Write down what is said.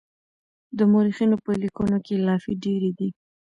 د مورخينو په ليکنو کې لافې ډېرې دي.